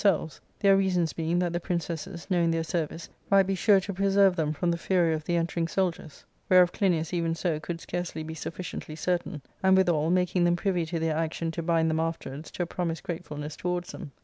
^Book IlL 311 selves ; their reasons being that the princesses, knowing their service, might be sure to preserve them from the fury of the entering soldiers, whereof Clinias, even so, could scarcely be sufficiently certain ; and, withal, making them privy to their action to bind them afterwards to a promised grateful ness towards them.